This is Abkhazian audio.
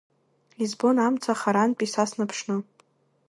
Избон амца харантәи са снаԥшны.